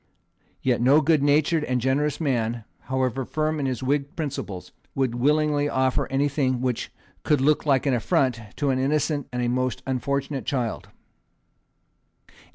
Yet no goodnatured and generous man, however firm in his Whig principles, would willingly offer any thing which could look like an affront to an innocent and a most unfortunate child.